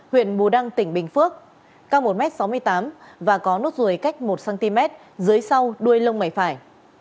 huyện bù đăng tỉnh bình phước cao một m sáu mươi tám và có nốt ruồi cách một cm dưới sau đuôi lông mày phải